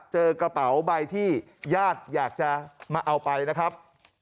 เจอกระเป๋าใบที่ญาติอยากจะมาเอาไปนะครับ